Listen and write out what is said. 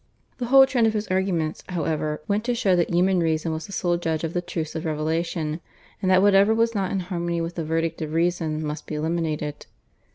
The whole trend of his arguments, however, went to show that human reason was the sole judge of the truths of revelation, and that whatever was not in harmony with the verdict of reason must be eliminated.